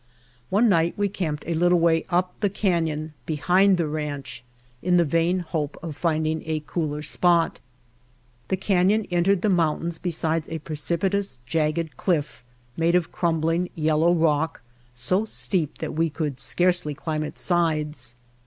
One night we camped a little way up the canyon behind the ranch in the vain hope of finding a cooler spot. The canyon entered the mountain beside a precipitous, jagged cliff made of crumbling yellow rock, so steep that we could scarcely climb its sides.